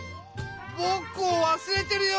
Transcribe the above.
ぼくをわすれてるよ！